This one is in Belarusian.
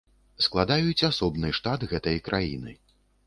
Складаюць асобны штат гэтай краіны.